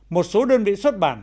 một số đơn vị xuất bản